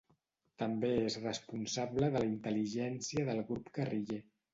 També és responsable de la intel·ligència del grup guerriller.